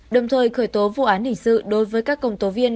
đồng thời khởi tố vụ án hình sự đối với các công tố viên